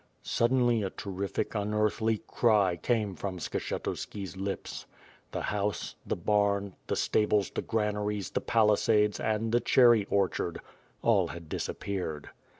Suddenly a terrific unearthly cry came from SkshetusM's lips. ^06 ^^^^^^^^ ^*V/) STTOAD. The house, the bam, the stables, the granaries, the pali sades, and the cherry orchard — all had disappeared.